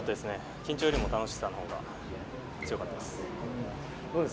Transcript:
緊張よりも楽しさのほうが強かったです。